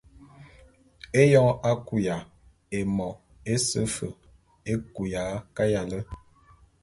Eyoñ a kuya, émo ése fe é kuya kayale.